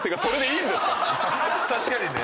確かにね。